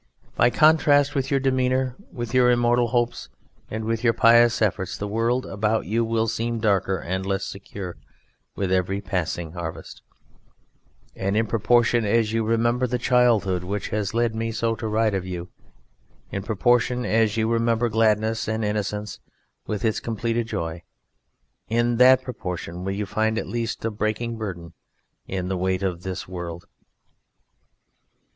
By contrast with your demeanour, with your immortal hopes, and with your pious efforts the world about you will seem darker and less secure with every passing harvest, and in proportion as you remember the childhood which has led me so to write of you, in proportion as you remember gladness and innocence with its completed joy, in that proportion will you find at least a breaking burden in the weight of this world.